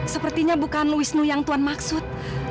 sepertinya bukan wisnu yang tuan maksud